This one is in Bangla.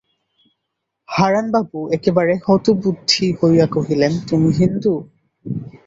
হারানবাবু একেবারে হতবুদ্ধি হইয়া কহিলেন, তুমি হিন্দু।